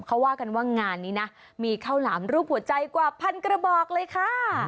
เขาว่ากันว่างานนี้นะมีข้าวหลามรูปหัวใจกว่าพันกระบอกเลยค่ะ